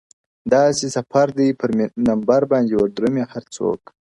داسي سفردی پرنمبرباندي وردرومي هرڅوک-